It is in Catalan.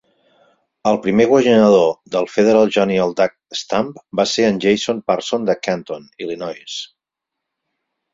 El primer guanyador del Federal Junior Duck Stamp va ser en Jason Parsons de Canton, Illinois.